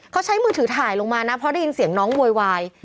เขาใช้มือถือถ่ายลงมานะเพราะได้ยินเสียงน้องโวยวาย